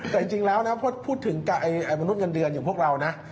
แต่จริงแล้วนะพูดถึงมนุษย์เงินเดือนอย่างพวกเรานะ